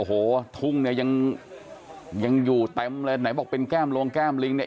โอ้โหทุ่งเนี่ยยังยังอยู่เต็มเลยไหนบอกเป็นแก้มโลงแก้มลิงเนี่ย